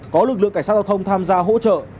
có lực lượng cảnh sát giao thông tham gia hỗ trợ